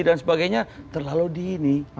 dan sebagainya terlalu dini